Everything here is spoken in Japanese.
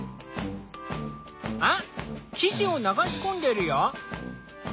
あっ生地を流しこんでるよ。